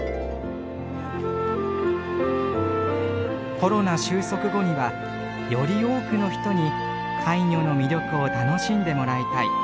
コロナ終息後にはより多くの人にカイニョの魅力を楽しんでもらいたい。